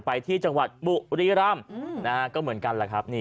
ไปที่จังหวัดบุริรัมน์ก็เหมือนกันล่ะครับ